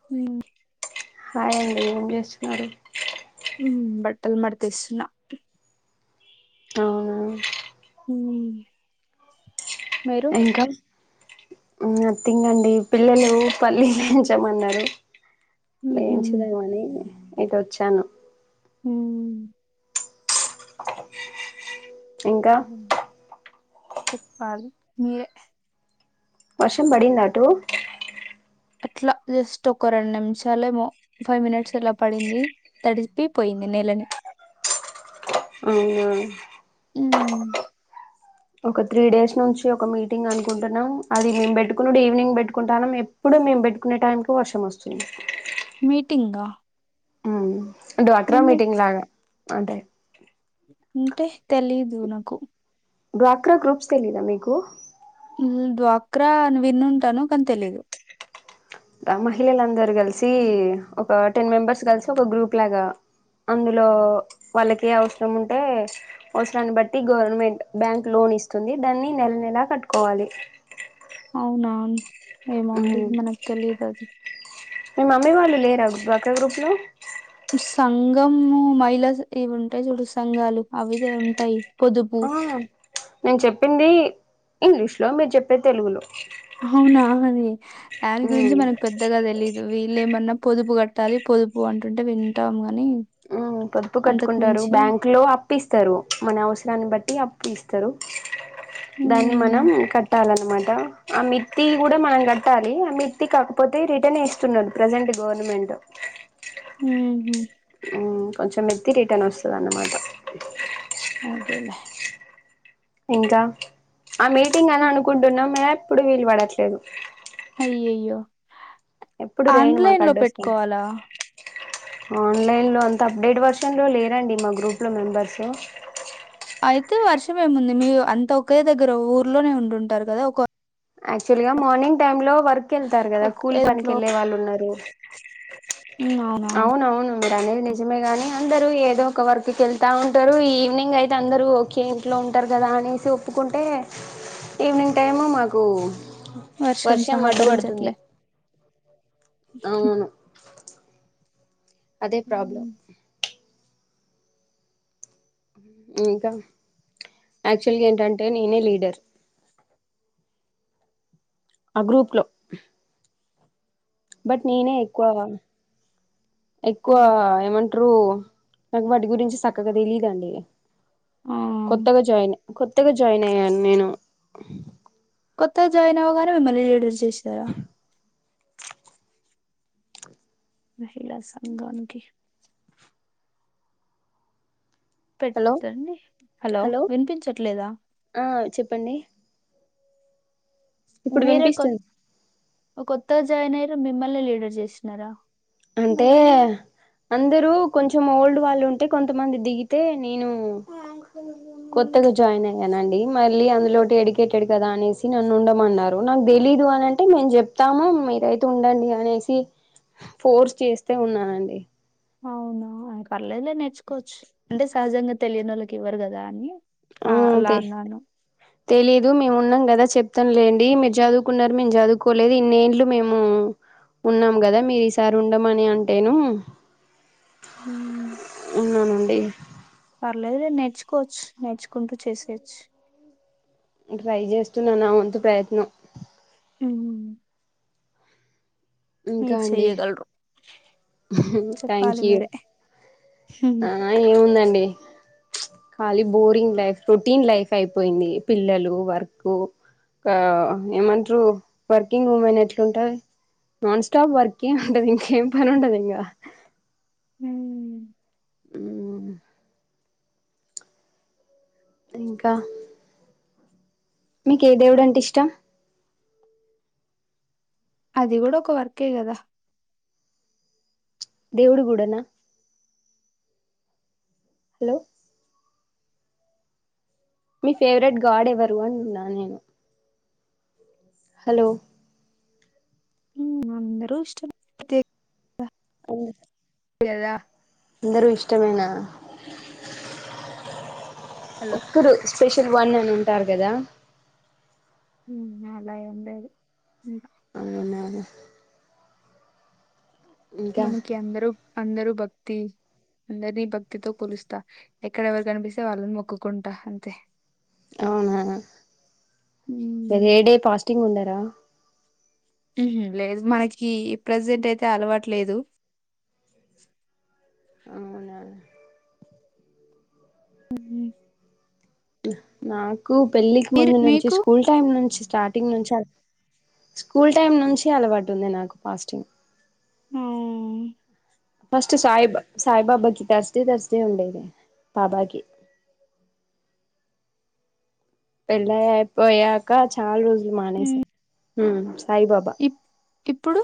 [unintelligible] Hi అండి ఏం చేస్తున్నారు హుమ్ బట్టలు మడతేస్తున్న అవునా హుమ్ ఇంకా నథింగ్ అండి పిల్లలు పల్లిలెంచమన్నరు ఉహు వేంచదామని ఇటు వచ్చాను హుమ్ [inaudible] చెప్పాలి మీరే వర్షం పడింద అటు అట్లా జస్ట్ ఒక రెండు నిమిషాలేమో ఫైవ్ మినిట్స్ అలా పడింది తడిపి పోయింది నేలని అవునా ఉమ్ ఒక త్రీ డేస్ నుంచి ఒక మీటింగ్ అనుకుంటున్నాం అది మేము పెట్టుకున్నడు ఈవినింగ్ పెట్టుకుంటన్నాం ఎప్ ఎప్పుడు మేము పెట్టుకునే టైంకి వర్షం వస్తుంది మీటింగా అవును డ్వాక్రా ఏం మీటింగ్ మీట్- లాగా అంటే అంటే తెలీదు నాకు డ్వాక్రా గ్రూప్స్ తెలీదా మీకు ఈ డ్వాక్రా అని విన్నుంటాను కానీ తెలిదు మహిళలందరు కలిసి ఒక టెన్ మెంబెర్స్ కలిసి ఒక గ్రూప్ లాగా అందులో వాళ్ళకి ఏ అవసరం ఉంటే అవ్సరాన్న్ బట్టి గోర్నమెంట్ బ్యాంక్ లోన్ ఇస్తుంది దాన్ని నెల్ నెలా కట్టుకోవాలి అవునామ్ ఏమొ అండి మనక్ తెలీదది మీ మమ్మీ వాళ్ళు లేరా డ్వాక్రా గ్రూప్ లో సంఘము మహిళ ఇవ్వుంటాయ్ జూడు సంఘాలు అవిదే ఉంటాయి పొదుపు ఓ నేన్ చెప్పిందీ ఇంగ్లీష్ లో మీర్ చెప్పేద్ తెలుగులో అవునా అది యాన్ గురించి ఉమ్, మనక్ పెద్దగా దెలీద్ దు వీళ్ళే ఏమన్నా పొదుపు గట్టాలి పొదుపు అంటుంటే వింటాం గాని ఆ పొదుపు అంతకు కట్టుకుంటారు మించి బ్యాంక్లో అప్ ప్పిస్తారు మన అవసరాన్న్ బట్టి అప్పీస్తరు దాన్ని హ్మ్ మనం కట్టాలనమాట ఆ మిర్తీ గుడ మనం గట్టాలి ఆ మిర్తి కాకపోతే రిటర్న్ ఏస్తున్నాడు ప్రజెంట్ గోర్నమెంటు ఊహు ఊ కొంచమెత్తి రిటర్నొస్తదన్నమాట అదెలే ఇంకా ఆ మీటింగని అనుకుంటున్నాం మేమెప్పుడు వీలు బడట్లేదు అయ్యయ్యో ఎప్పుడు రేన్ మాకు ఆండ్లైన్ లో అడ్డొస్తుంది పెట్ట్కోవాలా ఆన్లైన్ లో అంత అప్డేట్ వర్షన్లో లేరండి మా గ్రూప్లో మెంబర్సు అయితే వర్షమేముంది మీరు అంతా ఒకే దగ్గెర ఊర్లోనే ఉండుంటారు గదా ఒకొ యాక్చువల్ గా మార్నింగ్ టైమ్ లో వర్కెళ్తారు గదా ఒక కూల్ ఇంట్లో పనికెళ్ళే వాళ్ళున్నారు హ్మ్ అవునా అవునువును మీరనేది నిజమే గాని అందరు ఏదో ఒక వర్క్ కి ఎళ్తా ఉంటారు ఈవినింగ్ అయితే అందరూ కేే ఇంట్లో ఉంటారు గదా అనేసి ఒప్పుకుంటే ఈవ్నింగ్ టైము మాకు వర్షం అడ్డువడుతుంది ఉహు అదే ప్రాబ్ల ఉమ్, ఉ ఇంకా యాక్చువల్గా ఏంటంటే నేనే లీడర్ ఆ గ్రూప్ లో బట్ నేనే ఎక్కువా ఎక్కువ అవును. ఏమం ట్రు నాకు వాటి గురించి సక్కగా దెలీదండి ఆ కొత్తగా జాయినె కొత్తగా జాయిన్ అయ్యాన్ నేను కొత్తగా జాయిన్ అవ్వగానే మిమ్మల్ని లీడర్ జేశార మహిళా సంఘాన్కి హలో పెట్టండి హలో విన్పించట్లేద ఆ చెప్పండి ఇప్పుడు మీరే కొత్ వినిపిస్తుంది ఒ కొత్తగా జాయిన్ అయిర్రు మిమ్మల్నే లీడర్ జేస్న్నార అంటే అందరూ కొంచం ఓల్డ్ వాళ్ళుంటే కొంతమంది దిగితే నేనూ కొత్తగా జాయిన్ అయ్యానండి మళ్ళీ అందులోటి ఎడుకేటెడ్ కదా అనేసి నన్ను ఉండమన్నారు నాక్ దెలీదు అనన్ టే మేమ్ జెప్తాము మీరైతే ఉండండి అనేసి ఫోర్స్ చేస్తే ఉన్నానండి అవునా ఆయక్ పర్లేదులే నేర్చుకోచ్చు అంటే సహజంగా తెలీనోళ్ళకివ్వరు గదా అని అలా అన్నాను తెలిదు మేమున్నాం గదా చెప్తాంలేండి మీర్ జదువుకున్నారు మేమ్ జదువ్కోలేదు ఇన్నేండ్లు మేము ఉన్నాం గదా మీరు ఈసారి ఉండమని అంటేనూ మ్మ్. ఉన్నానండి పర్లేదు లే నేర్చుకోవచ్చు నేర్చుకుంటూ చేసేయచ్చు ట్రై చేస్తున్నా నా వంతు ప్రయత్నం ఉ ఇంకా మీరు అండి చెయ్యగలరు థ్యాంక్ చెప్పాలి యూ మీరే మ్మ్. ఆ ఏముందండి ఖాళీ బోరింగ్ లైఫ్ రొటీన్ లైఫ్ అయిపోయింది పిల్లలు వర్క్ ఒక ఏమంటరు వర్కింగ్ ఉమెన్ ఎట్ల ఉంటారు నాన్ స్టాప్ వర్క్ ఏ ఉంటది ఇంక ఏం పని ఉండదు ఇంకా మ్మ్, హూ ఇంకా మీకు ఏ దేవుడు అంటే ఇష్టం అది కూడా ఒక వర్కే కదా దేవుడు కూడా నా హలో మీ ఫేవరెట్ గాడ్ ఎవరు అంటున్నా నేను హలో అందరు ఇష్టమే [inaudible] కదా అందరూ ఇష్టమేన హలో ఒక్కరు స్పెషల్ వన్ అని ఉంటారు కదా ఉ అలా ఏమిలేదు [unintelligible] అవునా ఇంకా మనకి అందరు అందరు భక్తి అందరినీ భక్తితో కొలుస్తా ఎక్కడెవరు కనిపిస్తే వాళ్ళని మొక్కుకుంటా అంతే అవునా మీరు ఉమ్ ఏ డే ఫాస్టింగ్ ఉండరా ఉహు లేదు మనకి ప్రజెంట్ అయితే అలవాటు లేదు అవునా [unintelligible] నాకు పెళ్ళికి మీరు ముందు నుంచి మీకు స్కూల్ టైమ్ నుంచి స్టార్టింగ్ నుంచి స్కూల్ టైమ్ నుంచి అలవాటు ఉంది నాకు పాస్టింగ్ ఆ ఫస్ట్ సాయిబా సాయిబాబాకి తర్స్ డే తర్స్ డే ఉండేది బాబాకి పెళ్ళఅయిపోయాక చాలా రోజులు మానేసా ఉ సాయిబాబా ఇప్ ఇప్పుడు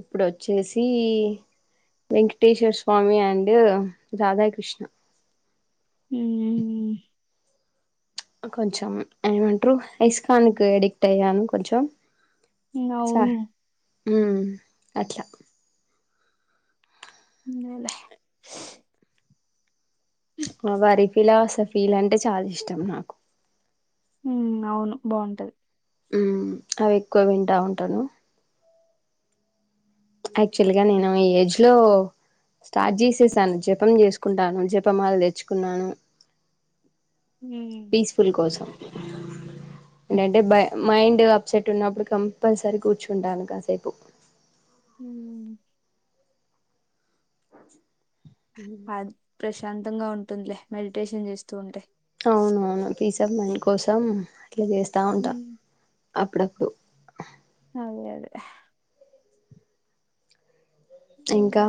ఇప్పుడు వచ్చేసి వెంకటేశ్వర స్వామి అండ్ రాధాకృష్ణ ఉ కొంచెం ఏమంటారు ఐస్కాన్కు ఎడిక్ట్ అయ్యాను కొంచెం అవును ఉ అట్లా ఉన్నిలే మా వారి ఇలా సఫీలు అంటే చాలా ఇష్టం నాకు ఉ అవును బాగుంటది ఉమ్ అవి ఎక్కువ వింటా ఉంటాను. యాక్చువల్ గా నేను ఏజ్ లో స్టార్ట్ జేసేసాను జపం చేసుకుంటాను జపమాల తెచ్చుకున్నాను హమ్ ఆపిల్ కోసం ఏంటంటే బ మైండ్ అప్సెట్ ఉన్నప్పుడు కంపల్సరీ కూర్చుంటాను. కాసేపు ఉమ్ [unintelligible] ప్రశాంతంగా ఉంటుందిలే మెడిటేషన్ చేస్తూ ఉంటే అవునవును పీస్ ఆఫ్ మైండుకోసం అట్లా చేస్తా ఉంటా ఉమ్ అప్పుడప్పుడు అదే అదే ఇంకా ఉమ్,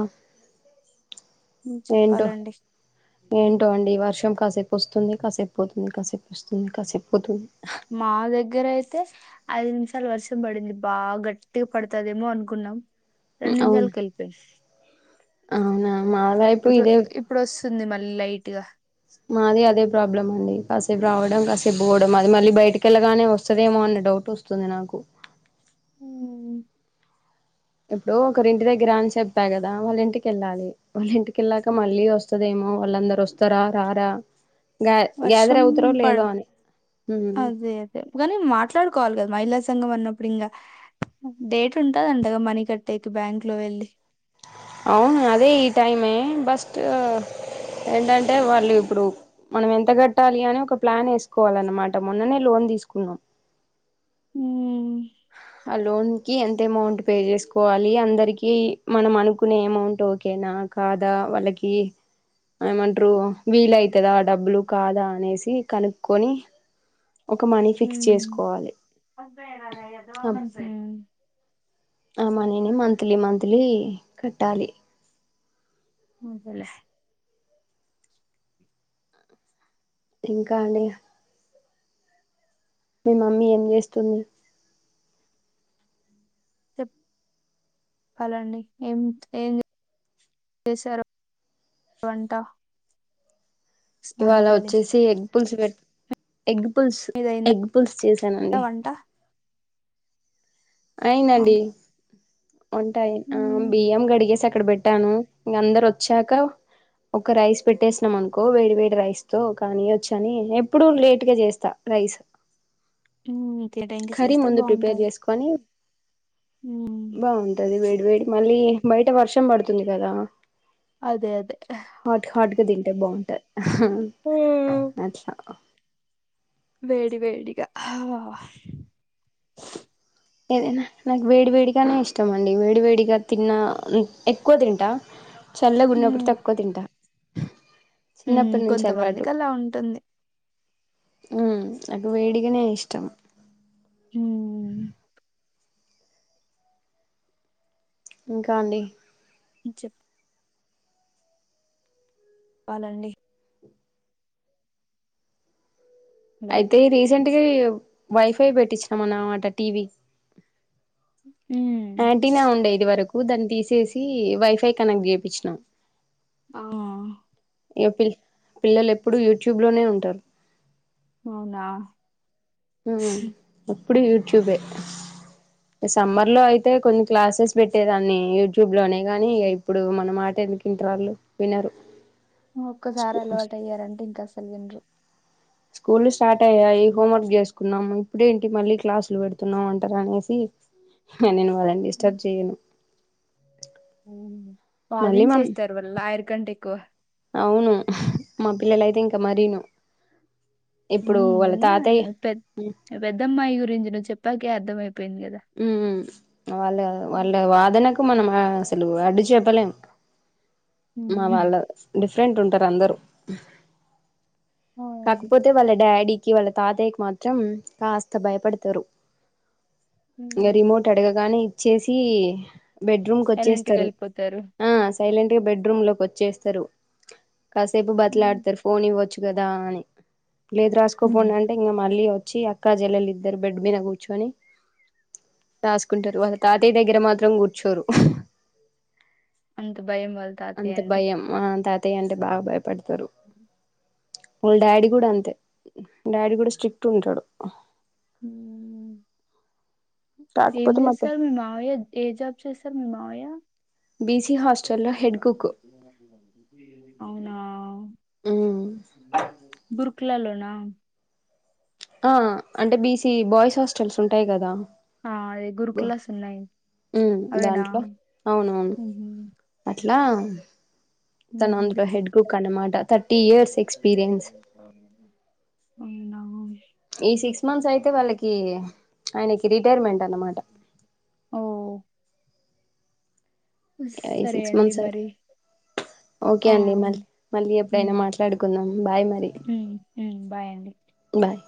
ఏంటో చెప్పాలండి ఏంటో అండి ఈ వర్షం కాసేపు వస్తుంది కాసేపు పోతుంది కాసేపు వస్తుంది కాసేపు పోతుంది మా దగ్గర అయితే ఐదు నిమిషాలు వర్షం పడింది బాగా గట్టిగా పడుతుదేమో అనుకున్నాం రెండు నిమిషాల అవును ఎల్పోయింది అవునా మా వైపు ఇప్పుడు ఇదే ఇప్పుడు వస్తుంది. మళ్ళీ లైట్ గా మాది అదే ప్రాబ్లం అండి కాసేపు రావడం కాసేపు పోవడం అది మళ్ళీ బయటికిెళ్లగానే వస్తుదేమో అన్న డౌట్ వస్తుంది వస్తుంది నాకు ఉమ్, ఎప్పుడు ఒకరింటి దగ్గర అని చెప్పా కదా వాళ్ళ ఇంటికిెళ్ళాలి వాళ్ళ ఇంటికెళ్ళాక మళ్ళీ వస్తరేమో వాళ్ళందరు వస్తారా రారా గగా గ్యాదర్ వర్షం అవుతారో లేదో పడ్ అని అదే కానీ మాట్లాడుకోవాలి కా మహిళా సంఘం అన్నప్పుడు ఇంకా డేట్ ఉంటది అండగా మనీ కట్టేకి బ్యాంక్ లో వెళ్ళలి అవును అదే ఈ టైమే బస్ట్ ఏంటంటే వాళ్ళు ఇప్పుడు మనం ఎంత కట్టాలి అని ఒక ప్లాన్ వేసుకోవాలన్నమాట మొన్ననే లోన్ తీసుకున్నాం ఉమ్ ఆ లోన్ కి ఎంత అమౌంట్ పే చేసుకోవాలి అందరికి మనం అనుకునే అమౌంట్ ఓకేనా అని కాదా వాళ్ళకి ఏమంటారు వీలవుతుందా ఆ డబ్బులు కాదా అనేసి కనుక్కకొని. ఒక మనీ ఫిక్స్ చేసుకోవాలి వస్తాయి ఏదో అ మని మంత్లీ మంత్లీ కట్టాలి. అంతేలే ఇంకా అండి మీ మమ్మీ ఏం చేస్తుంది. చెప్ హలో అండి ఎం ఏం చేశారు వంట ఇవాళ స్నానానికి వెళ్ళింది వచ్చేసి ఎగ్ పుల్స్ ఎగ్ పుల్స్ మీదయిందా ఎగ్ పుల్స్ చేసానండి వంట ఆ. అయిదండి ఉంటాయి ఆ ఉమ్. బియ్యం గడిగేసి అక్కడ పెట్టాను ఇంక అందరు వచ్చాక ఒక రైస్ పెట్టేసినం అనుకో వేడి వేడి రైస్ తో కానీ వచ్చ అని ఎప్పుడు లేట్ గా చేస్తా రైస్ హమ్ ఇట్ల టైమ్ కి చేస్తే బాగుంటది కొనీ బాగుంటది వేడి వేడి మళ్ళీ బయట వర్షం పడుతుంది కదా అదే అదే హాట్ హాట్గా తింటే బాగుంటది ఉమ్, అట్లా వేడి వేడిగా ఏదేనా నాకు వేడి వేడికనే ఇష్టం అండి వేడి వేడిక తిన్న ఎక్కువ తింటా చల్ల గున్నప్పుడు హ్మ్. తక్కువ తింటా ఉం చిన్నప్పటి నుంచి కొంతమందికి అలా ఉంటుంది ఉమ్ నాకువేడికనే ఇష్టం ఉం ఇంకా అండి చెప్ పాలండి హలో! అయితే రీసెంట్గా వైఫై పెట్టిచినాం అన్నమాట టీవీ ఉమ్ ఆంటీనా ఉండే ఇది వరకు దాన్ని తీసేసి వైఫై కనెక్ట్ చేపిచ్చినాం ఆ ఇగ పిల్ పిల్లలు ఎప్పుడు యూట్యూబ్ లోనే ఉంటారు అవునా అప్పుడు యుట్యూబ్ యే సమ్మర్ లో అయితే కొన్ని క్లాసెస్ పెట్టేదాన్ని యూట్యూబ్ లోనే కాని ఇగ ఇప్పుడు మన మాట ఎందుకు ఇంటర్ వాళ్ళు వినరు ఒక్కసారి అలవాటు అయ్యారంటే ఇంక అసలు వినురు స్కూల్ స్టార్ట్ అయ్యాయి హోంవర్క్ చేసుకున్నాము ఇప్పుడే ఏంటి మళ్ళీ క్లాసులు పెడుతున్నాం అంటారు అనేసి నేను వాళ్ళని డిస్టర్బ్ చేయ్యను వాదిం మమ్ చేస్తారు వాళ్ళు లాయర్ కంటేఎక్కువ అవును మా పిల్లల అయితే ఇంకా మరీను ఇప్పుడు హ్మ్. వాళ్ళ విన్న తాతయ్య పెద్ పెద్దమ్మాయి గురించి నువ్వు చెప్పాకే అర్థం అయిపోయింది కదా ఉమ్ వాళ్ళ వాళ్ళ వాదనకు మనం అసలు అడ్డు చెప్పలేం మా హ్మ్. వాళ్ళు డిఫరెంట్ ఉంటారు అందరు ఆ కాకపోతే వాళ్ళ డాడీకి వాళ్ళ తాతయ్యకి మాత్రం కాస్త భయపడతారు ఇగ హ్మ్. రిమోట్ అడగగానే ఇచ్చేసి బెడ్రూమ్ క వచ్చేస్తారు సైలెంట్‌గెళ్ళిపోతారు. ఆ సైలెంట్ గా బెడ్ రూమ్ లోకి వచ్చేస్తారు కాసేపు ఉమ్. బతిలాడతారు ఫోన్ ఇవ్వచ్చు కదా దాని లేదు ఉహు రాసుకోపోండి అంటే ఇంకా మళ్ళీ వచ్చి అక్క జెల్లీలిద్దరు బెడ్ మీద కూర్చొని రాసుకుంటారు వాళ్ళ తాతయ్య దగ్గర మాత్రం కూర్చోరు అంత భయం వాల్ అంత భయం ఆ తాతయ్య అంటే బాగా భయపడతారు. వాళ్ళ ఉ డాడీ కూడా అంతే డాడీ కూడా స్ట్రిక్ట్ ఉంటాడు ఉమ్ ఏం కాకపోతే మా పే చేస్తర్ మీ మావయ్య ఏ జాబ్ చేస్తర్ మీ మావయ్య బీసీ హాస్టల్లో హెడ్ కుక్ అవునా మ్మ్ బుర్క్లాలోనా ఆ అంటే బీసీ బాయ్స్ హాస్టల్స్ ఉంటాయి కదా ఆ అదే బ గురుకులాస్ ఉన్నాయి ఉమ్మ్ అవేనా దాంట్లో అవునవును ఉహు అట్లా తను ఉహు అందులో హెడ్ కుక్ అనమాట థర్టీ ఇయర్స్ ఎక్స్పీరియన్స్ ఐనా ఈ సిక్స్ మంత్స్ అయితే వాళ్ళకి ఆయనకి రిటైర్మెంట్ అన్నమాట ఓ ఆ సరే సిక్స్ అండి మంత్స్ మరి ఓకే ఆ అండి మళి మళ్ళీ ఉ ఎప్పుడైనా మాట్లాడుకుందాం బాయ్ మరి ఉమ్మ్ బాయ్ అండి బాయ్